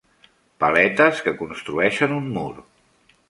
Paletes que construeixen un mur.